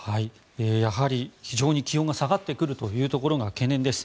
やはり非常に気温が下がってくるところが懸念です。